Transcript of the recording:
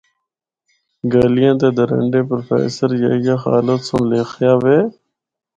’گلیاں تے درنڈے‘ پروفیسر یحییٰ خالد سنڑ لخیا وے۔